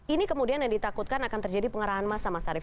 ini kemudian yang ditakutkan akan terjadi pengarahan massa mas arief